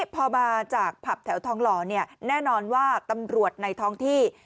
พอมาจากผับแถวทองหล่อแน่นอนว่าตำรวจในท้องที่